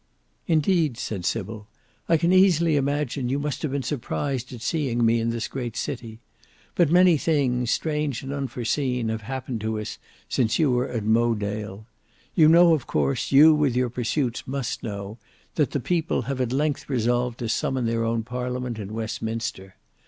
"Indeed," said Sybil, "I can easily imagine you must have been surprised at seeing me in this great city. But many things, strange and unforeseen, have happened to us since you were at Mowedale. You know, of course you with your pursuits must know, that the People have at length resolved to summon their own parliament in Westminster.